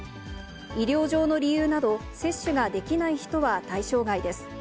医療上の理由など、接種ができない人は対象外です。